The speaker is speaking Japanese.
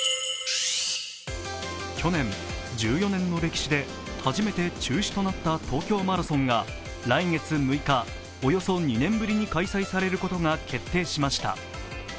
去年、１４年の歴史で初めて中止となった東京マラソンが来月６日、およそ２年ぶりに開催されることが決定しました。